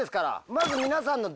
まず。